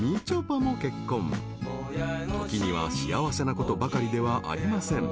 ［時には幸せなことばかりではありません］